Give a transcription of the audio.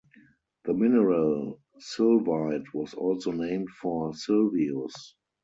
The mineral sylvite was also named for Sylvius.